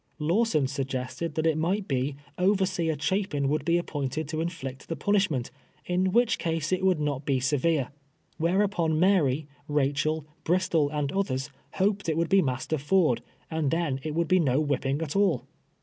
Lawson suggested that it might be, overseer Cha pin would be appointed to inflict the punishment, in which case it would not be severe, whereupon Mary, Eachel, Bristol, and others hoped it would be Master Ford, and then it would be no whipping at all.